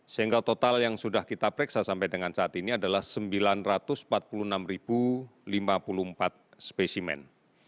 sehingga total yang sudah kita periksa sampai dengan saat ini adalah sembilan ratus empat puluh enam lima puluh empat spesimen